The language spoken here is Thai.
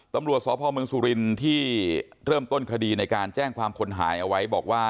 ตำรวจสพเมืองสุรินทร์ที่เริ่มต้นคดีในการแจ้งความคนหายเอาไว้บอกว่า